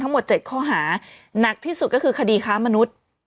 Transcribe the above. ทั้งหมดเจ็ดข้อหาหนักที่สุดก็คือคดีค้ามนุษย์